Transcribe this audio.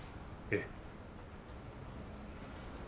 ええ。